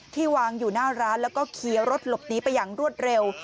วางอยู่หน้าร้านแล้วก็ขี่รถหลบหนีไปอย่างรวดเร็ว